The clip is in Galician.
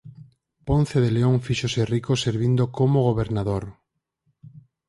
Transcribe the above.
Ponce de León fíxose rico servindo como gobernador.